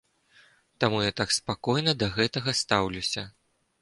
Таму я так спакойна да гэтага стаўлюся.